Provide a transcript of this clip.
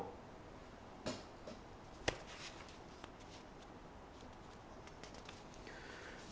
cảm ơn các bạn đã theo dõi